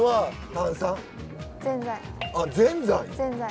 ぜんざい。